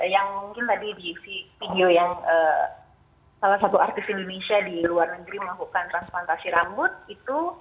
yang mungkin tadi diisi video yang salah satu artis indonesia di luar negeri melakukan transplantasi rambut itu